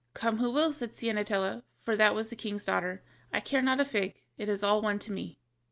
"Come who will," said Ciennetella (for that was the king's daughter), "I care not a fig; it is all one to me."